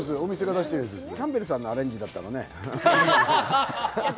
キャンベルさんのアレンジだったらね。